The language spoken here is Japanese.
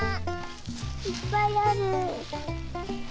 いっぱいある。